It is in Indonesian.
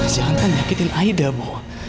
jangan jangan nyakitin aida ibu